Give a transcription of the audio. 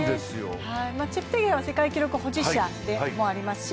チェプテゲイは世界記録保持者でもありますし、